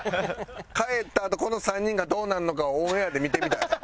帰ったあとこの３人がどうなるのかをオンエアで見てみたい。